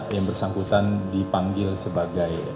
yang bersangkutan dipanggil sebagai